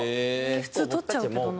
普通とっちゃうけどな。